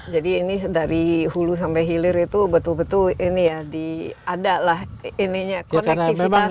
jadi ini dari hulu sampai hilir itu betul betul diadalah konektivitasnya